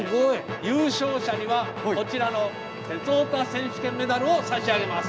優勝者にはこちらの鉄オタ選手権メダルを差し上げます。